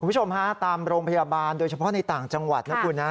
คุณผู้ชมฮะตามโรงพยาบาลโดยเฉพาะในต่างจังหวัดนะคุณนะ